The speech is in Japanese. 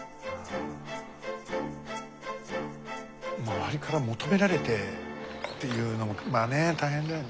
周りから求められてっていうのもまあね大変だよね。